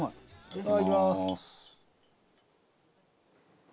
いただきます！